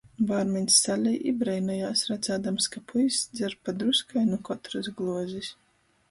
Bārmeņs salej i breinojās, radzādams, ka puiss dzer pa druskai nu kotrys gluozis.